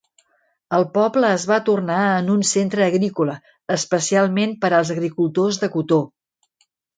El poble es va tornar en un centre agrícola, especialment per als agricultors de cotó.